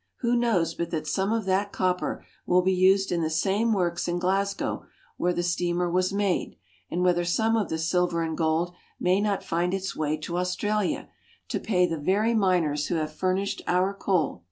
Who knows but that some of that copper will be used in the same works in Glasgow where the steamer was made, and whether some of the silver and gold may not find its way to Australia to pay the very miners who have furnished our coal?